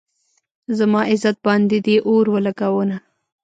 زما عزت باندې دې اور ولږاونه